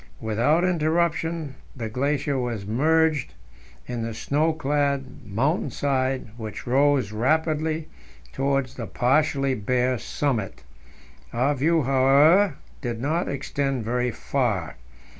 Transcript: Without interruption the glacier was merged in the snow clad mountain side, which rose rapidly towards the partially bare summit. Our view, however, did not extend very far.